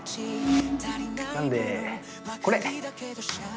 ◆なんで、これ。